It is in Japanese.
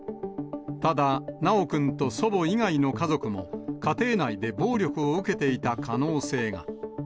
ただ、修くんと祖母以外の家族も、家庭内で暴力を受けていた可能性が。